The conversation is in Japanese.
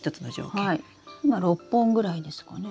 今６本ぐらいですかね？